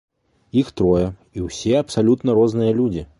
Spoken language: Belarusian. Іх трое, і ўсе абсалютна розныя людзі.